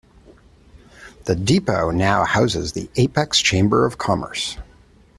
The depot now houses the Apex Chamber of Commerce.